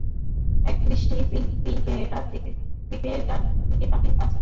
একদৃষ্টি পিপেটার দিকে তাকিয়ে আছি, হঠাৎ লক্ষ্যবস্তুটিকে স্পষ্ট দেখতে পেয়ে বিস্মিত হলাম।